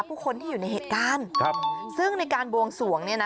ผู้คนที่อยู่ในเหตุการณ์ครับซึ่งในการบวงสวงเนี่ยนะ